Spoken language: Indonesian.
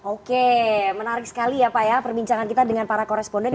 oke menarik sekali ya pak ya perbincangan kita dengan para koresponden